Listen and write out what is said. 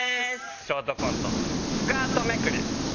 ショートコントスカートめくり。